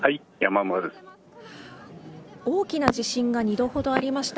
大きな地震が二度ほどありました。